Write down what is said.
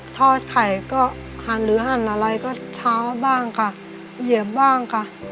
ทอดไข่ก็หั่นหรือหั่นอะไรก็เช้าบ้างค่ะเหยียบบ้างค่ะ